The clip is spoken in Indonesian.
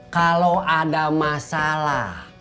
kalau ada masalah